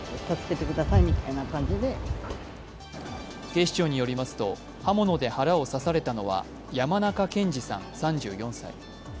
警視庁によりますと刃物で腹を刺されたのは山中健司さん、３４歳。